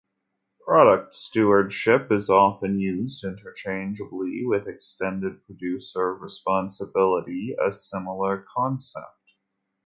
Product Stewardship is often used interchangeably with Extended producer responsibility, a similar concept.